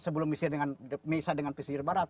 sebelum bisa dengan pesir barat